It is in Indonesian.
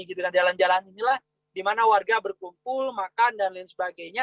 jalan jalan inilah di mana warga berkumpul makan dan lain sebagainya